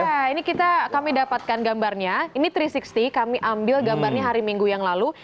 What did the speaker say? nah ini kami dapatkan gambarnya ini tiga ratus enam puluh kami ambil gambarnya hari minggu yang lalu